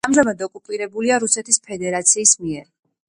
ამჟამად ოკუპირებულია რუსეთის ფედერაციის მიერ.